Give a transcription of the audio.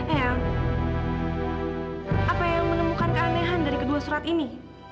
apa yang menemukan keanehan dari kedua surat ini